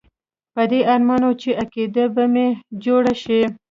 په دې ارمان وم چې عقیده به مې جوړه شي.